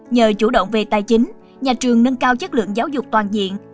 nhờ chủ động về tài chính nhà trường nâng cao chất lượng giáo dục toàn diện